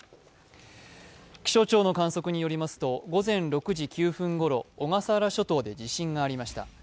気象庁の観測によりますと午前６時９分ごろ、小笠原諸島で地震がありました。